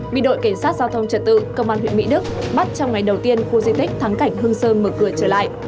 bị đội cảnh sát giao thông trật tự công an huyện mỹ đức bắt trong ngày đầu tiên khu di tích thắng cảnh hương sơn mở cửa trở lại